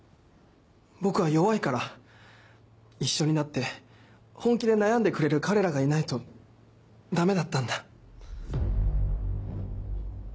僕は弱いから一緒になって本気で悩んでくれる彼らがいないとダメだったんだ。